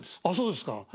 あっそうですか。